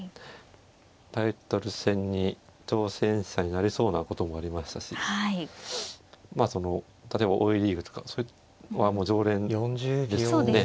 タイトル戦に挑戦者になりそうなこともありましたしまあその例えば王位リーグとかはもう常連ですね。